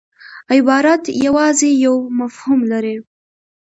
عبارت یوازي یو مفهوم لري.